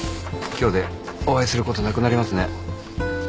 今日でお会いすることなくなりますね。